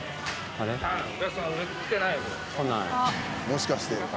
もしかして。